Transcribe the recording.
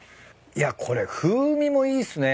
いやこれ風味もいいっすね。